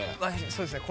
そうですね